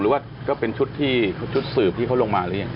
หรือว่าก็เป็นชุดที่ชุดสืบที่เขาลงมาหรือยัง